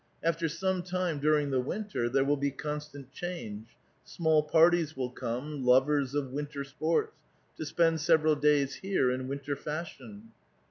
After some time during the winter there will be constant change : small parlies will come — lovers of winter sports — to spend several days here in winter fashion."